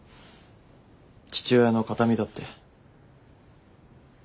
父親の形見だって。